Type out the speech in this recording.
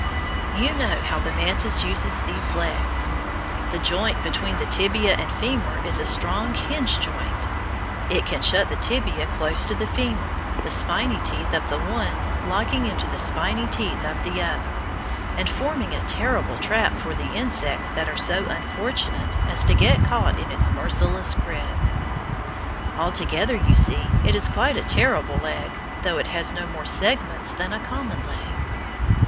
You know how the mantis uses these legs. The joint between the tibia and femur is a strong hinge joint. If can shut the tibia close to the femur, the spiny teeth of the one locking into the spiny teeth of the other, and forming a terrible trap for the insects that are so unfortunate as to get caught in its merciless grip. Altogether, you see, it is quite a terrible leg, though it has no more segments than a common leg.